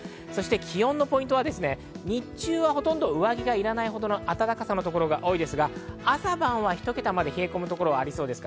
気温のポイントは日中はほとんど上着がいらないほどの暖かさのところが多いですが、朝晩は１桁まで冷え込むところがありそうです。